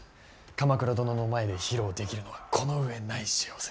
鎌倉殿の前で披露できるのはこの上ない幸せ。